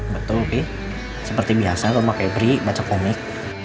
betul pi seperti biasa rumah pebri baca komik